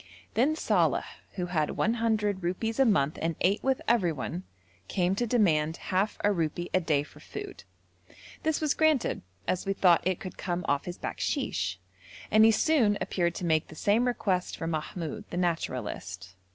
Then Saleh, who had 100 rupees a month and ate with everyone, came to demand half a rupee a day for food; this was granted, as we thought it could come off his bakshish, and he soon appeared to make the same request for Mahmoud, the naturalist.